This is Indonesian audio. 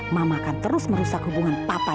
mama akan terus merusak hubungan papan